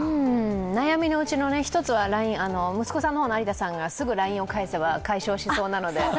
悩みのうちの一つは息子さんの有田がすぐＬＩＮＥを返せば解消しそうなので。